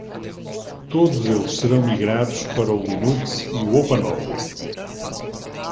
Todos eles serão migrados para o Linux e o OpenOffice.